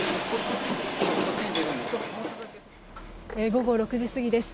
午後６時過ぎです。